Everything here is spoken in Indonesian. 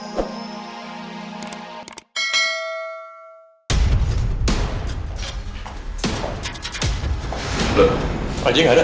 loh raja gak ada